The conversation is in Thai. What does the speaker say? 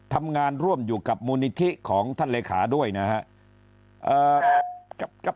ทำงานร่วมอยู่กับมูลนิธิของท่านเลขาด้วยนะครับ